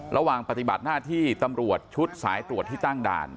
ระหว่างปฏิบัติหน้าที่ตำรวจชุดสายตรวจที่ตั้งด่าน